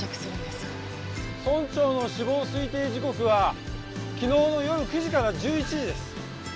村長の死亡推定時刻は昨日の夜９時から１１時です。